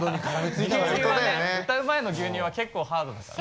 歌う前の牛乳は結構ハードだから。